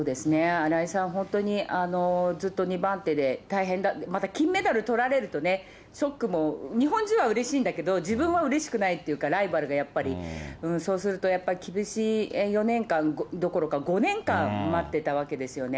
新井さん、本当にずっと２番手で、大変、また金メダルとられると、ショックも、日本人はうれしいんだけど、自分はうれしくないっていうか、ライバルがやっぱり、そうすると、やっぱり厳しい４年間、どころか、５年間待ってたわけですよね。